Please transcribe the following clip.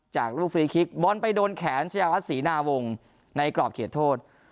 จากลูกฟรีคิกบอลไปโดนแขนชาวรัฐศรีหน้าวงในกรอบเขียนโทษ